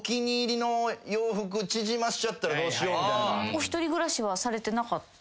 お一人暮らしはされてなかった？